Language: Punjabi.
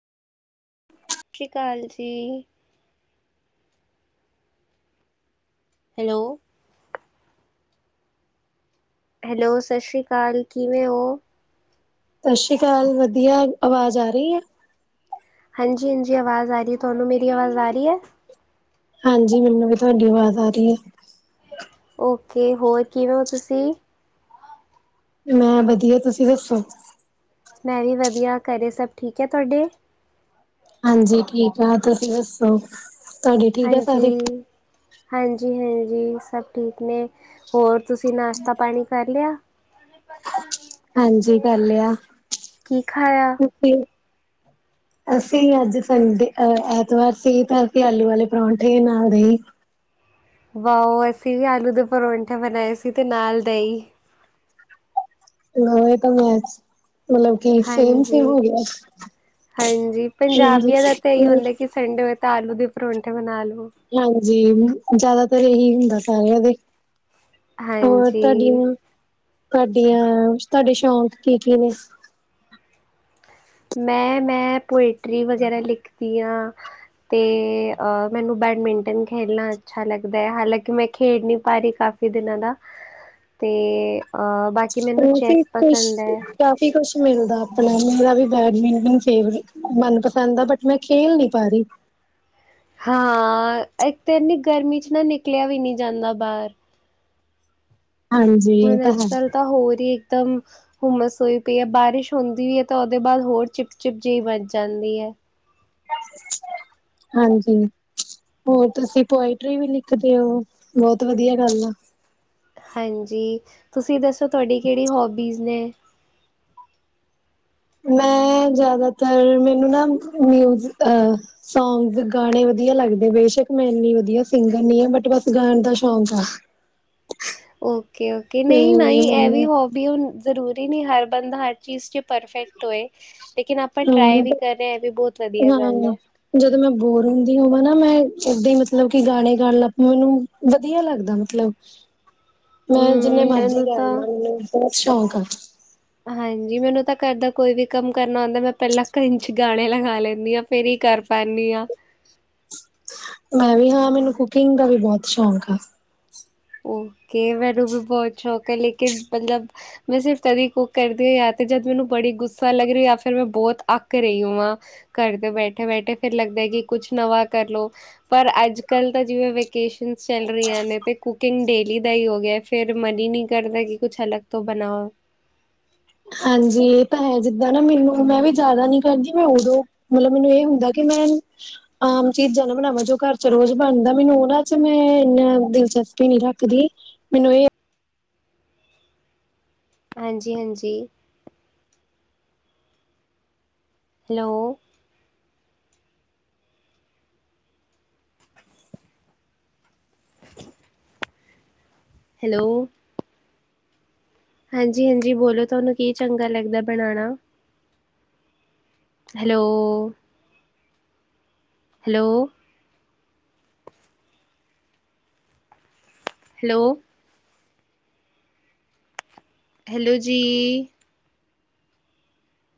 ਸਤਿ ਸ਼੍ਰੀ ਅਕਾਲ ਜੀ। ਹੈਲੋ। ਹੈਲੋ, ਸਤਿ ਸ੍ਰੀ ਅਕਾਲ। ਕਿਵੇਂ ਹੋ? ਸਤਿ ਸ੍ਰੀ ਅਕਾਲ। ਵਧੀਆ। ਅਵਾਜ਼ ਆ ਰਹੀ ਹੈ? ਹਾਂਜੀ, ਹਾਂਜੀ। ਅਵਾਜ਼ ਆ ਰਹੀ। ਤੁਹਾਨੂੰ ਮੇਰੀ ਆਵਾਜ਼ ਆ ਰਹੀ ਹੈ। ਹਾਂਜੀ, ਮੈਨੂੰ ਵੀ ਤੁਹਾਡੀ ਆਵਾਜ਼ ਆ ਰਹੀ ਹੈ। ਓਕੇ। ਹੋਰ ਕਿਵੇਂ ਹੋ ਤੁਸੀਂ? ਮੈਂ ਵਧੀਆ। ਤੁਸੀਂ ਦੱਸੋ? ''ਮੈਂ ਵੀ ਵਧੀਆ। ਘਰੇ ਸਭ ਠੀਕ ਐ ਤੁਹਾਡੇ? ਹਾਂਜੀ, ਠੀਕ ਆ। ਤੁਸੀਂ ਦੱਸੋ? ਤੁਹਾਡੇ ਠੀਕ ਆ ਸਾਰੇ ਹਾਂਜੀ-ਹਾਂਜੀ। ਹੂੰ। ਜੀ, ਸਭ ਠੀਕ ਨੇ। ਹੋਰ ਤੁਸੀਂ, ਨਾਸ਼ਤਾ ਪਾਣੀ ਕਰ ਲਿਆ? ਹਾਂਜੀ ਕਰ ਲਿਆ ਕੀ ਖਾਇਆ? ਤੁਸੀਂ ''ਅਸੀਂ ਅੱਜ ਸੰਡੇ ਅਹ ਐਤਵਾਰ ਸੀ, ਤਾਂ ਅਸੀਂ ਆਲੂ ਵਾਲੇ ਪਰੌਂਠੇ ਨਾਲ ਦਹੀਂ। ਵਾਓ। ਅਸੀਂ ਵੀ ਆਲੂ ਦੇ ਪਰੋਂਠੇ ਬਣਾਏ ਸੀ, ਤੇ ਨਾਲ ਦਹੀਂ। ਹੋ, ਇਹ ਤਾਂ, ਮੈਂਜ ਮਤਲਬ ਕਿ, ਸੇਮ- ਸੇਮ ਹੋ ਹਾਂਜੀ। ਗਿਆ ਹਾਂਜੀ ਪੰਜਾਬੀਆਂ ਦਾ ਹਜੀ ਤਾਂ ਇਹੀ ਹੋ ਹੁੰਦਾ ਕਿ ਸੰਡੇ ਹੋਏ ਆਲੂ ਦੇ ਪਰੌਂਠੇ ਬਣਾਲੋ। ਹਾਂਜੀ, ਜਿਆਦਾ ਫਿਰ ਇਹੀ ਹੁੰਦਾ ਸਾਰਿਆਂ ਦੇ ਹੋਰ, ਹਾਂਜੀ ਤੁਹਾਡੀਆਂ? ਤੁਹਾਡੇ, ਸ਼ੌਕ ਕੀ- ਕੀ ਨੇ? ਮੈਂ, ਮੈਂ 'ਪੋਇਟਰੀ ਵਗੈਰਾ ਲਿਖਦੀ ਆਂ। ਤੇ ਅਹ ''ਮੈਨੂੰ ਬੈਡਮਿੰਟਨ ਖੇਲਣਾ ਅੱਛਾ ਲੱਗਦਾ ਹੈ। ਹਾਲਾਂਕਿ ''ਮੈਂ ਖੇਡ ਨੀ ਪਾ ਰਹੀ ਕਾਫ਼ੀ ਦਿਨਾਂ ਦਾ। ਤੇ ਅਹ ਕਾਫੀ ਖੁਸ਼ ਕਾਫੀ ਕੂਸ਼ ਮਿਲਦਾ ਆਪਣਾ ਮੇਰਾ ਵੀ, 'ਬੈਡਮਿੰਟਨ ਫ ਮਨਪਸੰਦ ਆ, ਬਟ ਮੈਂ ਖੇਲ ਨੀ ਪਾ ਰਹੀ। ਹਾਂ, ਇੱਕ ਤਾਂ ਇਨੀ ਗਰਮੀ'ਚ ਨਾ ਨਿਕਲਿਆ ਵੀ ਨਹੀਂ ਜਾਂਦਾ ਬਾਹਰ। ਹਾਂਜੀ ਇਹ ਹੁਣ ਤਾਂ ਅੱਜ ਹੈ ਕੱਲ੍ਹ ਤਾਂ ਹੋਰ ਹੀ ਇੱਕਦਮ ਹੁਮਸ ਹੋਈ ਪਈ ਹੈ। ਬਾਰਿਸ਼ ਹੁੰਦੀ ਵੀ ਹੈ ਤਾਂ ਉਹਦੇ ਬਾਅਦ ਹੋਰ ਚਿਪ ਚਿਪ ਜਿਹੀ ਬਚ ਜਾਂਦੀ ਹੈ। ਹਾਂਜੀ। ਹੋਰ ਤੁਸੀਂ ਹਾਂ- ਪੋਇਟਰੀ ਵੀ ਲਿਖ ਦੇ ਹੋ ਬਹੁਤ ਵਧੀਆ ਗੱਲ ਆ। ਹਾਂਜੀ। ਤੁਸੀਂ ਦੱਸੋ ਤੁਹਾਡੀ ਕਿਹੜੀ ਹੋਬੀਜ਼ ਨੇ ਮੈਂ ਜ਼ਿਆਦਾਤਰ ਮੈਨੂੰ ਨਾ ਮਿਜ਼ ਸੌਗ ਗਾਣੇ ਵਧੀਆ ਲੱਗਦੇ ਬੇਸ਼ਕ ਮੈਂ ਇੰਨੀ ਵਧੀਆ ਸਿੰਗਰ ਨ ਆ ਬਟ ਬਸ ਗਾਣ ਦਾ ਸ਼ੌਂਕ ਆ। ਓਕੇ ਓਕੇ ਤੇ ਨਹੀਂ ਨਹੀਂ ਇਹ ਵੀ ਮੈਨੂੰ ਹੋਬੀ ਹ ਜ਼ਰੂਰੀ ਨਹੀਂ ਹਰ ਬੰਦਾ ਹਰ ਚੀਜ਼ ਚ ਪਰਫੈਕਟ ਹੋਏ। ਲੇਕਿਨ ਆਪਾਂ ਟਰਾਈ ਵੀ ਹਮ ਕਰ ਰਹੇ ਹ ਵੀ ਬਹੁਤ ਵਧੀਆ ਹਾਂ ਗੱਲ ਹੈ। ਜਦੋਂ ਮੈਂ ਬੋਰ ਹੁੰਦੀ ਹੋਵਾਂ ਨਾ ਮੈਂ ਓਦਾਂ ਮਤਲਬ ਕਿ ਗਾਣੇ ਗਾਣ ਲੱਗ ਮੈਨੂੰ ਵਧੀਆ ਲੱਗਦਾ ਮਤਲਬ ਹੂੰ ਮੈਂ ਜਿੰਨੇ ਮਰਜੀ ਮੈਨੂੰ ਕਰ ਤਾਂ ਲਾ ਗੀ। ਸ਼ੋਕ ਆ। ਹਾਂਜੀ ਮੈਨੂੰ ਤਾਂ ਘਰ ਦਾ ਕੋਈ ਵੀ ਕੰਮ ਕਰਨਾ ਹੁੰਦਾ ਮੈਂ ਪਹਿਲਾਂ ਕੰੰਨਚ ਗਾਣੇ ਲਗਾ ਲੈਂਦੀ ਹਾਂ ਫੇਰ ਹੀ ਕਰ ਪਾਉਦੀ ਹਾਂ। ਮੈਂ ਵੀ ਹਾਂ ਮੈਨੂੰ ਕੁਕਿੰਗ ਦਾ ਵੀ ਬਹੁਤ ਸ਼ੌਕ ਆ। ਓਕੇ ਮੈਨੂੰ ਵੀ ਬਹੁਤ ਸ਼ੋਕ ਹੈ। ਲੇਕਿਨ ਮਤਲਬ ਮੈਂ ਸਿਰਫ ਤਦੀ ਕੁ ਕਰਦੀ ਹ ਯਾ ਤੇ ਜਦ ਮੈਨੂੰ ਬੜੀ ਗੁੱਸਾ ਲੱਗ ਰਹੀ ਫਿਰ ਮੈਂ ਬਹੁਤ ਅੱਕ ਰਹੀ ਹ ਆ ਘਰ ਦੇ ਬੈਠੇ ਬੈਠੇ ਫਿਰ ਲੱਗਦਾ ਕਿ ਕੁਛ ਨਵਾਂ ਕਰਲੋ ਪਰ ਅੱਜ ਕੱਲ ਤਾਂ ਜਿਵੇਂ ਵੇਕੇਸ਼ਨ ਚੱਲ ਰਹੀਆਂ ਨੇ ਤੇ ਕੁਕਿੰਗ ਡੇਲੀ ਦਾ ਹੀ ਹੋ ਗਿਆ। ਫਿਰ ਮਨ ਹੀ ਨਹੀਂ ਕਰਦਾ ਕਿ ਕੁਛ ਅਲਗ ਤੋਂ ਬਣਾਓ। ਹਾਂਜੀ ਇਹ ਤਾਂ ਹੈ ਜਿੰਦਾਂ ਨਾ ਮੈਨੂੰ ਮੈਂ ਵੀ ਜ਼ਿਆਦਾ ਨੀ ਕਰਦੀ ਮੈਂ ਉਦੋਂ ਮਤਲਬ ਮੈਨੂੰ ਇਹ ਹੁੰਦਾ ਕਿ ਮੈਂ ਆਮ ਚੀਜ਼ਾਂ ਨਾ ਬਣਾਵਾਂ ਜੋ ਘਰ ਚ ਰੋਜ਼ ਬਣਦਾ ਮੈਨੂੰ ਉਹਨਾਂ ਚ ਮੈਂ ਇਨਾ ਦਿਲਚਸਪੀ ਨੀ ਰੱਖਦੀ ਮੈਨੂੰ ਇਹ ਹਾਂਜੀ ਹਾਂਜੀ। ਹੈਲੋ। ਹੈਲੋ। ਹਾਂਜੀ ਹਾਂਜੀ ਬੋਲੋ ਤੁਹਾਨੂੰ ਕੀ ਚੰਗਾ ਲੱਗਦਾ ਬਣਾਉਣਾ। ਹੈਲੋ। ਹੈਲੋ। ਹੈਲ ਹੈਲੋ ਜੀ।